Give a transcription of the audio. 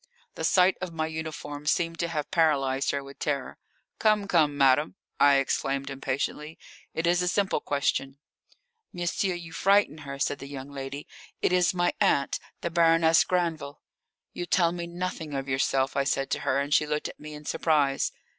The sight of my uniform seemed to have paralysed her with terror. "Come, come, madame," I exclaimed impatiently; "it is a simple question." "Monsieur, you frighten her," said the young lady. "It is my aunt, the Baroness Granville." "You tell me nothing of yourself," I said to her, and she looked at me in surprise.